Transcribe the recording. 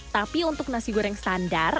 tapi untuk nasi goreng standar